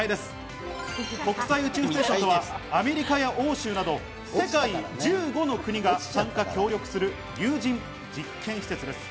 国際宇宙ステーションはアメリカや欧州など世界１５の国が参加、協力する有人実験施設です。